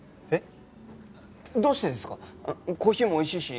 えっ？